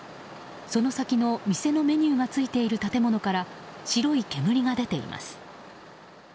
その先の店のメニューがついている建物から白い煙が出ています。